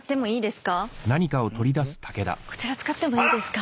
こちら使ってもいいですか？